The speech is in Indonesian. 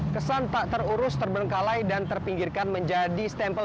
kesan tak terurus terbengkalai dan terpinggirkan menjadi stempel